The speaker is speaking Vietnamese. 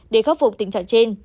để khắc phục tình trạng trên